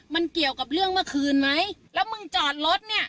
มันเกี่ยวกับเรื่องเมื่อคืนไหมแล้วมึงจอดรถเนี่ย